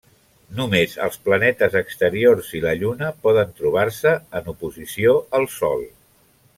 Només els planetes exteriors i la Lluna poden trobar-se en oposició al Sol.